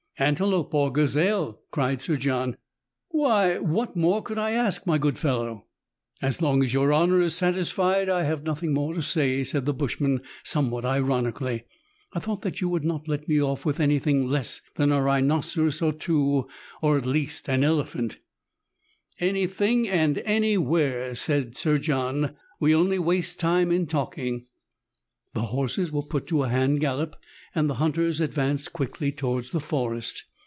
" Antelope or gazelle !" cried Sir John, " why, what more could I ask, my good fellow ?"As long as your honour is satisfied I have nothing more to say," said the bushman, somewhat ironically. " I thought that you would not let me off with any thing less than a rhinoceros or two, or at least an elephant" " Any thing and any where," said Sir John, " we only waste time in talking." The horses were put to a hand gallop, and the hunters advanced quickly towards the forest.